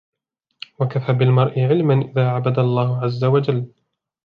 وَكَفَى بِالْمَرْءِ عِلْمًا إذَا عَبَدَ اللَّهَ عَزَّ وَجَلَّ